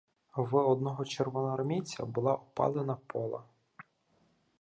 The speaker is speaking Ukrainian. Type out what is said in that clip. В одного червоноармійця була обпалена пола.